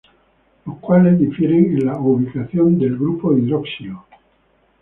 Los cuales difieren en la ubicación del grupo hidroxilo.